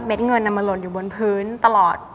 เม็ดเงินน้ำมะล่นอยู่บนพื้นตลอด